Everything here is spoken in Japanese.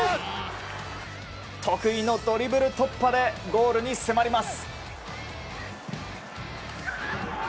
得意のドリブル突破でゴールに迫ります。